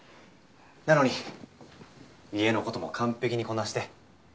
なのに家のことも完璧にこなして。